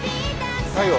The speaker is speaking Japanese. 太陽。